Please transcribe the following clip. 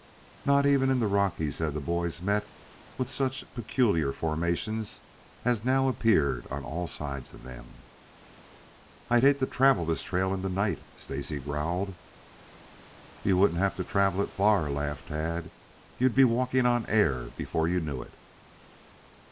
Not even in the Rockies had the boys met with such peculiar formations as now appeared on all sides of them. "I'd hate to travel this trail in the night," growled Stacy. "You wouldn't have to travel it far," laughed Tad. "You'd be walking on air before you knew it."